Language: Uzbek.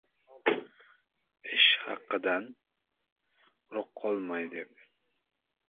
Ishhaqidan quruq qolmay deb